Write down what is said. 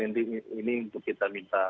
ini untuk kita minta